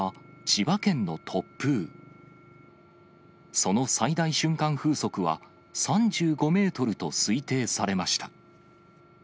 その最大瞬間風速は３５メートルと推定されました。